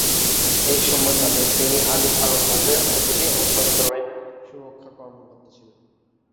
এই সময়কালে, তিনি আলী আল হজের অধীনে অভ্যন্তরীণ সুরক্ষা কর্মকর্তা ছিলেন।